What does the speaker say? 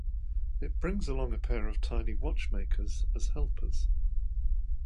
It brings along a pair of tiny "Watchmakers" as helpers.